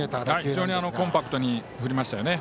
非常にコンパクトに振りましたよね。